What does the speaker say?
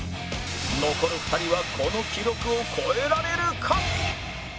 残る２人はこの記録を超えられるか？